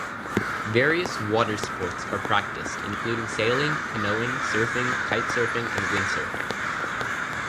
Various water sports are practised including sailing, canoeing, surfing, kite surfing and windsurfing.